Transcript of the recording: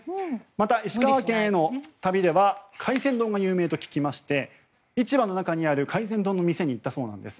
また、石川県への旅では海鮮丼が有名と聞きまして市場の中にある海鮮丼のお店に行ったそうなんです。